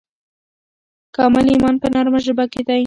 کامل ایمان په نرمه ژبه کې دی.